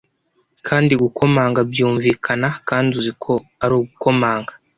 Kandi gukomanga byumvikana, kandi uzi ko ari ugukomanga